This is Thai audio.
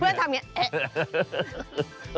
เพื่อนทำอย่างเละ